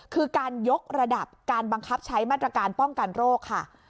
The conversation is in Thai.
คือการยกระดับการบังคับใช้มาตรการป้องกันโรคค่ะ